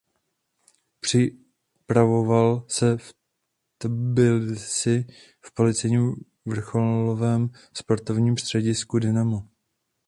Připravoval s v Tbilisi v policejním vrcholovém sportovním středisku Dinamo.